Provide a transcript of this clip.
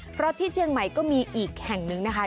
เพราะที่เชียงใหม่ก็มีอีกแห่งนึงนะคะ